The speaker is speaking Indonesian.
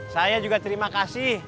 saya juga terima kasih